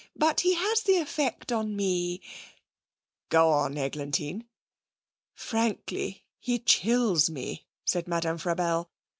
But he has the effect on me ' 'Go on, Eglantine.' 'Frankly, he chills me,' said Madame Frabelle.